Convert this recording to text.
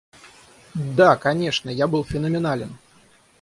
Да, конечно, я был феноменален!